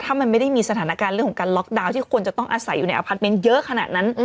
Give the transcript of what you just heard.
ถ้ามันไม่ได้มีสถานการณ์เรื่องของการล็อกดาวน์ที่ควรจะต้องอาศัยอยู่ในอพาร์ทเมนต์เยอะขนาดนั้น